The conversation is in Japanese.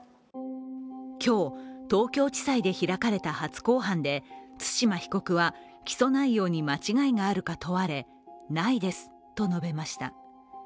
今日、東京地裁で開かれた初公判で対馬被告は起訴内容に間違いがあるか問われないですと述べました。